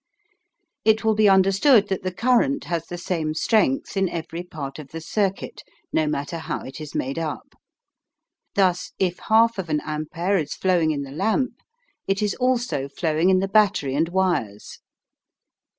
It will be understood that the current has the same strength in every part of the circuit, no matter how it is made up. Thus, if 1/2 of an ampere is flowing in the lamp, it is also flowing in the battery and wires.